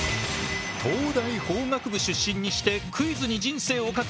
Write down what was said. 東大法学部出身にしてクイズに人生を懸ける男